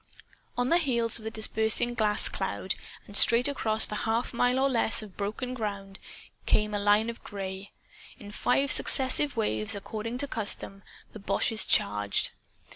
On the heels of the dispersing gas cloud, and straight across the half mile or less of broken ground, came a line of gray. In five successive waves, according to custom, the boches charged.